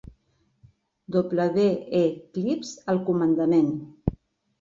W. E. Cleaves al comandament.